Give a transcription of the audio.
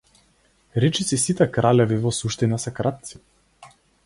Речиси сите кралеви во суштина се крадци.